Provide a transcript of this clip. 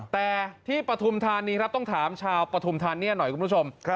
แต่ที่ประธุมธรรมนี้ต้องถามชาวประธุมธรรมนี้หน่อยคุณผู้ชม